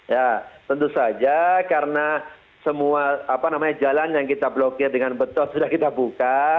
ya tentu saja karena semua jalan yang kita blokir dengan betos sudah kita buka